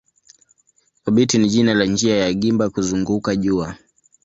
Obiti ni jina la njia ya gimba kuzunguka jua.